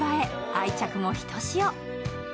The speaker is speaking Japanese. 愛着もひとしお。